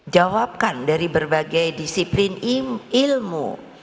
jawabkan dari berbagai disiplin ilmu